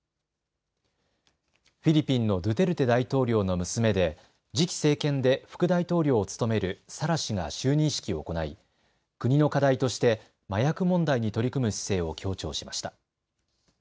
フィリピンのドゥテルテ大統領の娘で次期政権で副大統領を務めるサラ氏が就任式を行い国の課題として麻薬問題に取り組む姿勢を強調しました。